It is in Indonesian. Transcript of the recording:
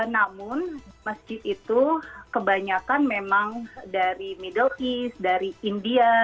namun masjid itu kebanyakan memang dari middle east dari india